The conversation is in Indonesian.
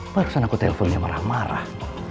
barusan aku telponnya marah marah